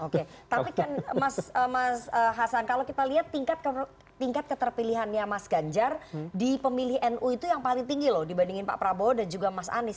oke tapi kan mas hasan kalau kita lihat tingkat keterpilihannya mas ganjar di pemilih nu itu yang paling tinggi loh dibandingin pak prabowo dan juga mas anies